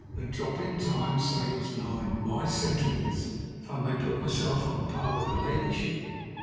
"'A drop in time saves nine' my sentiments, if I may put myself on a par with her ladyship.